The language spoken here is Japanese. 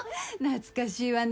懐かしいわね。